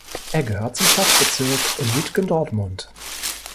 Er gehört zum Stadtbezirk Lütgendortmund.